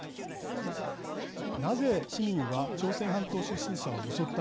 なぜ市民は朝鮮半島出身者を襲ったのでしょうか。